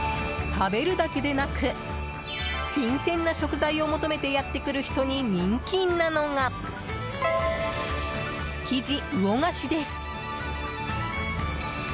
食べるだけでなく新鮮な食材を求めてやってくる人に人気なのが築地魚河岸です。